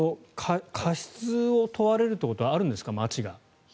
過失を問われるということはあるんですか、町が。